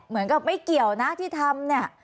เหมือนกับไม่เกี่ยวนะที่ทำเนี่ย